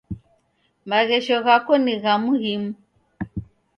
Maghesho ghako ni gha muhimu.